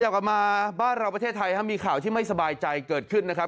กลับมาบ้านเราประเทศไทยมีข่าวที่ไม่สบายใจเกิดขึ้นนะครับ